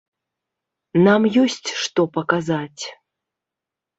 Нам ёсць што паказаць.